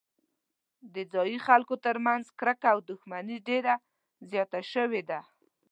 د ځايي خلکو ترمنځ کرکه او دښمني ډېره زیاته شوې ده.